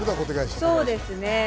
そうですね。